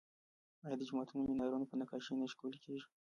آیا د جوماتونو مینارونه په نقاشۍ نه ښکلي کیږي؟